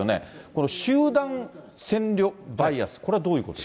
この集団浅慮バイアス、これどういうこと？